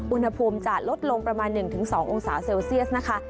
อุณหภูมิจะลดลงประมาณ๑๒องศาเซลเซียสนะคะ